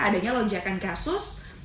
adanya lonjakan kasus